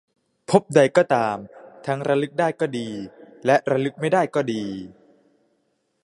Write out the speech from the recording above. ภพใด ก็ตาม ทั้งระลึกได้ก็ดีและระลึกไม่ได้ก็ดี